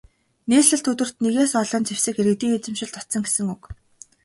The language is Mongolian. Нийслэлд өдөрт нэгээс олон зэвсэг иргэдийн эзэмшилд очсон гэсэн үг.